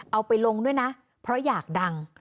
เอาไปลงด้วยนะเพราะอยากดัง